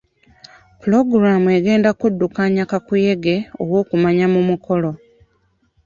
Pulogulamu egenda kuddukanya kakuyege ow'okumanya mu mukolo.